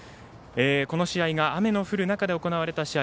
この試合が雨の降る中で行われた試合。